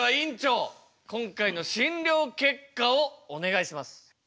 今回の診療結果をお願いします。